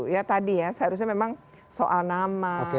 ya tadi ya seharusnya memang soal nama